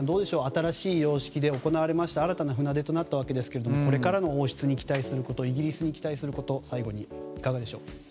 新しい様式で行われ船出となりましたがこれからの王室に期待することイギリスに期待すること最後にいかがしょう？